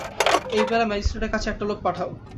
এইবেলা ম্যাজিস্ট্রেটের কাছে একটা লোক পাঠাও।